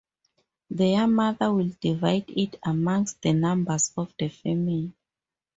Their mother will divide it amongst the members of the family.